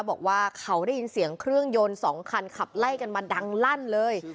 บอกว่าเขาได้ยินเสียงเครื่องยนต์๒คันขับไล่กันมาดังลั่นเลย